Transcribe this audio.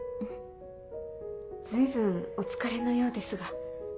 随分お疲れのようですが。